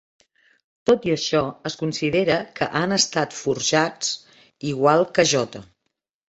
Tot i això, es considera que han estat forjats, igual que J.